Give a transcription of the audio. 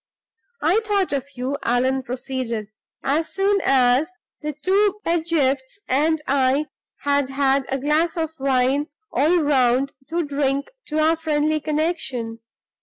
"I thought of you," Allan proceeded, "as soon as the two Pedgifts and I had had a glass of wine all round to drink to our friendly connection.